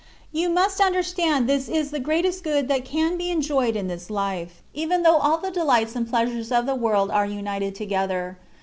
You must understand this is the greatest good that can be enjoyed in this life, even though all the delights and pleasures of the world were united together.